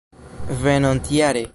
venontjare